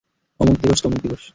অমুক দিবস তমুক দিবস!